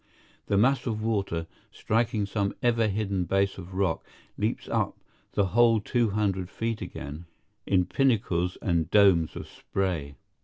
The mass of water, striking some ever hidden base of rock, leaps up the whole two hundred feet again in pinnacles and domes of spray.